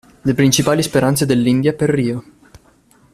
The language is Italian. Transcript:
Le principali speranze dell'india per rio.